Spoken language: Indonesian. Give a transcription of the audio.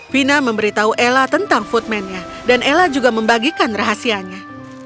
fina memberitahu ella tentang footman nya dan ella juga membagikan rahasianya